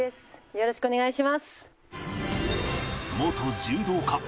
よろしくお願いします。